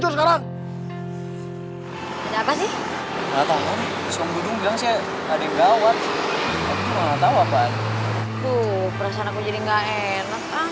sekarang aku omdat sissilar